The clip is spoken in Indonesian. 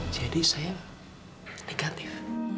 jadi saya negatif